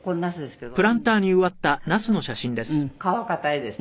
皮硬いです。